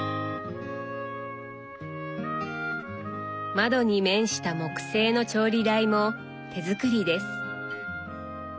窓に面した木製の調理台も手作りです。